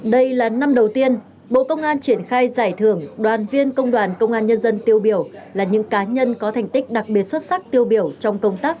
đây là năm đầu tiên bộ công an triển khai giải thưởng đoàn viên công đoàn công an nhân dân tiêu biểu là những cá nhân có thành tích đặc biệt xuất sắc tiêu biểu trong công tác